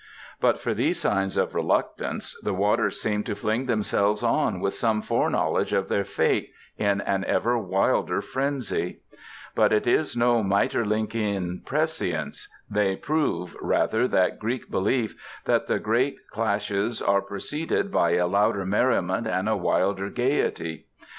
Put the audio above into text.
But for these signs of reluctance, the waters seem to fling themselves on with some foreknowledge of their fate, in an ever wilder frenzy. But it is no Maeterlinckian prescience. They prove, rather, that Greek belief that the great crashes are preceded by a louder merriment and a wilder gaiety.